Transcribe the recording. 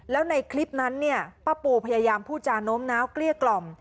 แล้วในคลิปนั้นเนี่ยป้าปูพยายามพูดจาโน้มน้าวเกลี้ยกล่อม